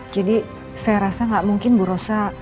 jadi saya rasa gak mungkin bu rosa